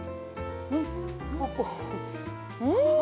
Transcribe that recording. うん！